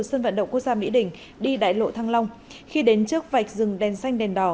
sân vận động quốc gia mỹ đình đi đại lộ thăng long khi đến trước vạch rừng đèn xanh đèn đỏ